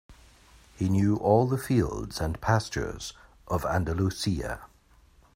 He knew all the fields and pastures of Andalusia.